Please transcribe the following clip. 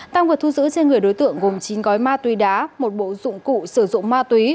tăng vật thu giữ trên người đối tượng gồm chín gói ma túy đá một bộ dụng cụ sử dụng ma túy